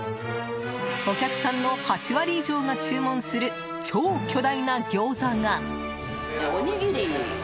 お客さんの８割以上が注文する超巨大なギョーザが。